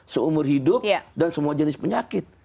seumur hidup dan semua jenis penyakit